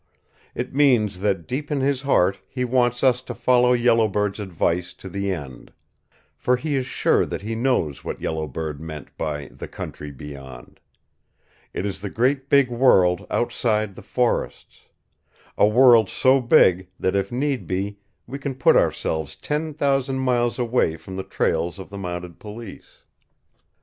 It means that deep in his heart he wants us to follow Yellow Bird's advice to the end. For he is sure that he knows what Yellow Bird meant by 'The Country Beyond.' It is the great big world outside the forests, a world so big that if need be we can put ourselves ten thousand miles away from the trails of the mounted police.